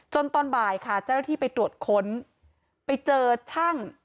ตอนบ่ายค่ะเจ้าหน้าที่ไปตรวจค้นไปเจอช่าง